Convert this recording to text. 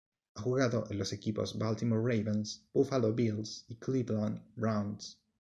Ha jugado en los equipos Baltimore Ravens, Buffalo Bills y Cleveland Browns.